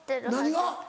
何が？